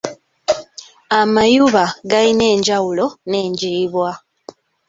Amayuba gayina enjawulo n'enjiibwa.